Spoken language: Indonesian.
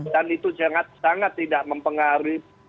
itu sangat tidak mempengaruhi